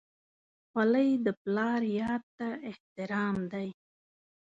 خولۍ د پلار یاد ته احترام دی.